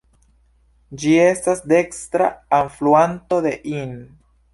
Ĝi estas dekstra alfluanto de Inn.